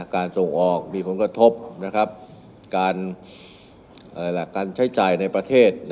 การส่งออกมีผลกระทบการหลักการใช้จ่ายในประเทศ